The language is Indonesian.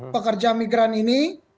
pekerja migran ini